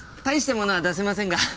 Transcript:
大したものは出せませんが。